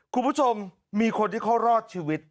คุณผู้ชมมีคนที่เขารอดชีวิต